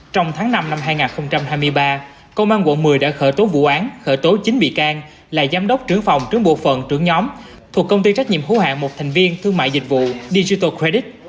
trong tháng năm năm hai nghìn hai mươi ba công an quận một mươi đã khởi tố vụ án khởi tố chín bị can là giám đốc trưởng phòng trưởng bộ phận trưởng nhóm thuộc công ty trách nhiệm hữu hạng một thành viên thương mại dịch vụ digital credit